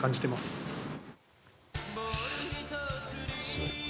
すごい。